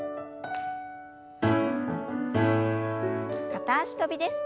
片脚跳びです。